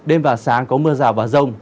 đêm và sáng có mưa rào và rông